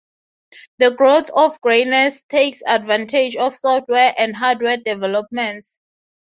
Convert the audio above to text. The growth of greynets takes advantage of software and hardware developments.